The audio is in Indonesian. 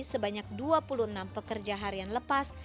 sebanyak dua puluh enam pekerja harian lepas